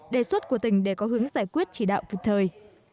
đề xuất của tỉnh để có hướng giải quyết chỉ đạo kịp thời